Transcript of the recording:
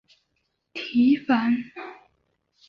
提防